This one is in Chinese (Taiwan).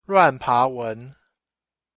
亂爬文